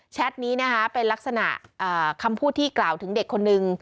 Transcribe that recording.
นี้นะคะเป็นลักษณะคำพูดที่กล่าวถึงเด็กคนนึง